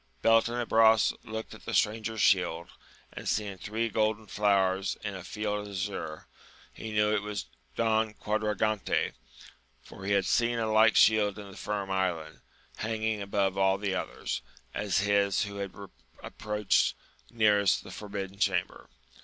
Beltenebros looked at the stranger's shield, and seeing three golden flowers in a field azure, he knew it was Don Quadragante, for he had seen a like shield in the Firm Island, hanging above all the others, as his who had approached nearest the Forbidden Chamber.